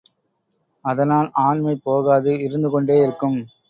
அதனால் ஆண்மை போகாது, இருந்துகொண்டே இருக்கும்.